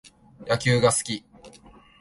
野球が好き